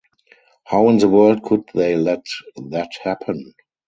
How in the world could they let that happen?